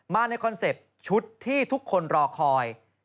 มาในคอนเซ็ปต์ชุดที่ทุกคนรอคอย